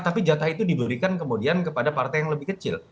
tapi jatah itu diberikan kemudian kepada partai yang lebih kecil